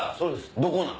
どこなん？